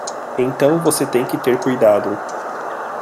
Então você tem que ter cuidado